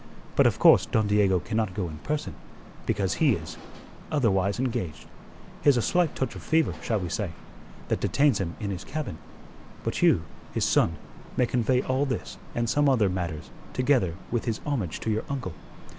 But of course Don Diego cannot go in person, because he is... otherwise engaged. He has a slight touch of fever shall we say? that detains him in his cabin. But you, his son, may convey all this and some other matters together with his homage to your uncle.